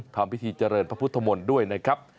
ทำพิธีเจริญพระพุทธมนตร์ด้วยนะครับ